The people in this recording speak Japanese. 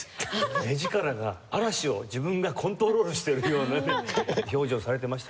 目力が嵐を自分がコントロールしてるような表情されてましたけども。